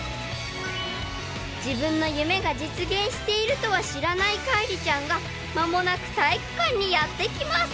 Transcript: ［自分の夢が実現しているとは知らない海璃ちゃんが間もなく体育館にやって来ます！］